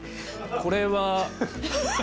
これは。